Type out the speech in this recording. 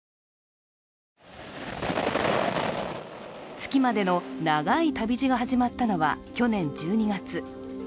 月までの長い旅路が始まったのは去年１２月。